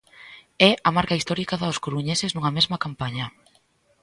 É a marca histórica dos coruñeses nunha mesma campaña.